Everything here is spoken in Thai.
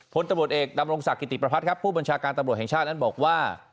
ผลตำรวจเอกดำรงศักดิติประพัฒน์ครับผู้บัญชาการตำรวจแห่งชาตินั้นบอกว่า